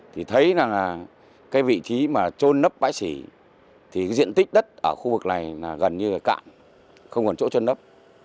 thì thấy là cái vị trí mà trôn nấp bãi xỉ thì diện tích đất ở khu vực này là gần như cạn không còn chỗ trôn nấp